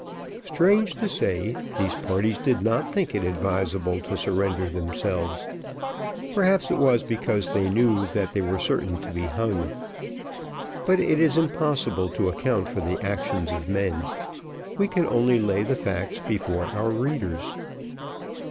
Strange to say, these parties did not think it advisable to surrender themselves; perhaps it was because they knew that they were certain to be hung; but it is impossible to account for the actions of men: we can only lay the facts before our readers.